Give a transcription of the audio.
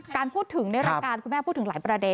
การพูดถึงในรายการคุณแม่พูดถึงหลายประเด็น